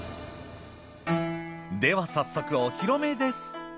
では早速お披露目です。